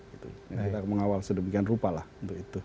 kita akan mengawal sedemikian rupa lah untuk itu